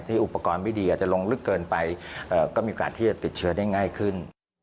อุปกรณ์ไม่ดีอาจจะลงลึกเกินไปก็มีโอกาสที่จะติดเชื้อได้ง่ายขึ้น